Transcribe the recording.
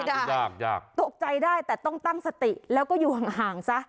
ยากยากตกใจได้แต่ต้องตั้งสติแล้วก็อยู่ห่างซะ